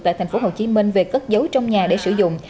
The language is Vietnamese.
tại thành phố hồ chí minh về cất giấu trong nhà để sử dụng